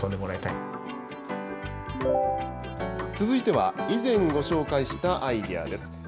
続いては、以前ご紹介したアイデアです。